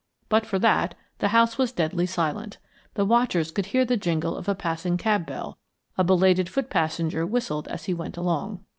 But for that, the house was deadly silent; the watchers could hear the jingle of a passing cab bell, a belated foot passenger whistled as he went along.